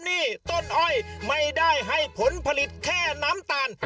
นี่ต้นอ้อยไม่ได้ให้ผลผลิตแค่น้ำตาล